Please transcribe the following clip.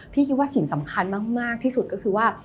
คิดว่าสิ่งสำคัญมากที่สุดก็คือว่า